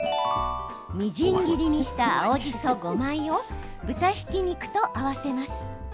みじん切りにした青じそ５枚を豚ひき肉と合わせます。